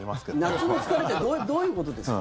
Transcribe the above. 夏の疲れってどういうことですか？